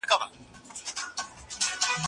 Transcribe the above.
ماته مي شناختو د شهید پلټن کیسه کړې ده